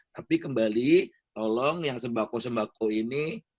tapi kembali tolong yang sembako sembako ini